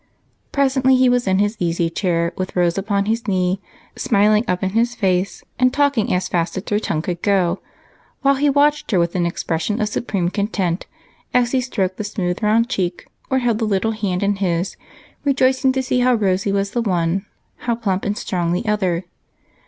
Presently he was in his easy chair with Rose uj^on his knee smiling up in his face and talking as fast as her tongue could go, while he watched her with an expression of supreme content, as he stroked the smooth round cheek, or held the little hand in his, rejoicing to see how rosy was the one, how plump and strong the other.